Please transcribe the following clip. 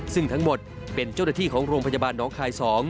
ซึ่งทั้งหมดเป็นเจ้าหน้าที่ของโรงพยาบาลน้องคาย๒